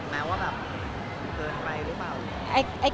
แม้ว่าแบบเกินไปหรือเปล่า